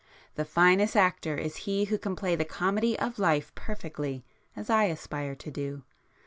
The finest actor is he who can play the comedy of life perfectly, as I aspire to do.